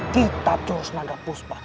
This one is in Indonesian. kitab jursnada puspa